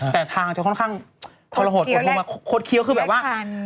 แต่ทางจะค่อนข้างทะละหดโดยมีแค่โคตรเคี้ยวคือแบบว่า